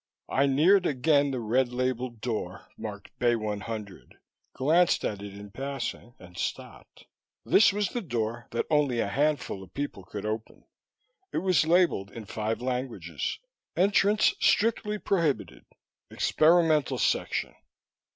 I neared again the red labeled door marked Bay 100, glanced at it in passing and stopped. This was the door that only a handful of people could open. It was labeled in five languages: "Entrance Strictly Prohibited. Experimental Section."